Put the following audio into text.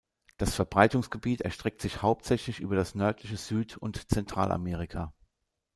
Das Verbreitungsgebiet erstreckt sich hauptsächlich über das nördliche Süd- und Zentralamerika.